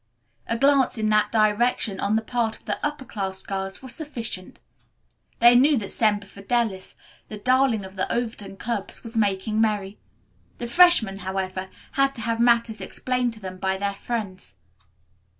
A glance in that direction on the part of the upper class girls was sufficient. They knew that Semper Fidelis, the darling of the Overton clubs, was making merry. The freshmen, however, had to have matters explained to them by their friends.